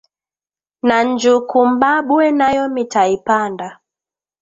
Na njukumabwe nayo mita ipanda